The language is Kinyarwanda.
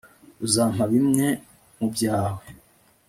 uzampa bimwe mubyawe